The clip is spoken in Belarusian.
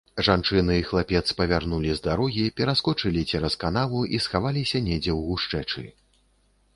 Жанчыны і хлапец павярнулі з дарогі, пераскочылі цераз канаву і схаваліся недзе ў гушчэчы.